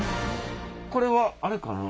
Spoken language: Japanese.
これはあれかな？